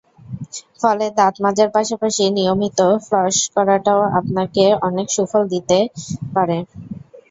ফলে দাঁত মাজার পাশাপাশি নিয়মিত ফ্লস করাটাও আপনাকে অনেক সুফল দিতে পারে।